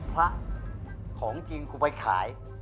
พระของจริงกูไปขาย